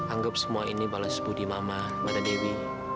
anggap semua ini balas budi mama pada dewi